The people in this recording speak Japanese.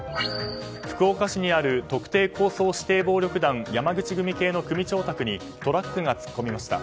福岡市にある特定抗争指定暴力団山口組系の組長宅にトラックが突っ込みました。